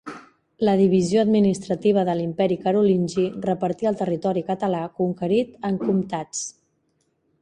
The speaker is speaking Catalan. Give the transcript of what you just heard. La divisió administrativa de l'imperi Carolingi repartí el territori català conquerit en comtats.